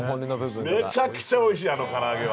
めちゃくちゃおいしい、あの唐揚げは。